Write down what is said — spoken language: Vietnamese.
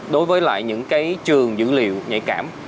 đối với lại những cái trường dữ liệu nhạy cảm